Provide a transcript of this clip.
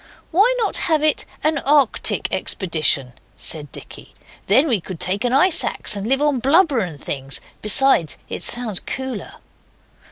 'Why not have it an Arctic expedition?' said Dicky; 'then we could take an ice axe, and live on blubber and things. Besides, it sounds cooler.